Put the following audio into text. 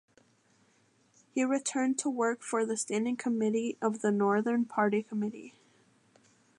He returned to work for the Standing Committee of the Northern Party Committee.